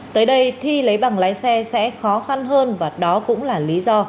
tới đây thi lấy bằng lái xe sẽ khó khăn hơn và đó cũng là lý do